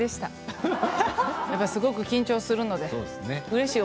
やっぱりすごく緊張するので。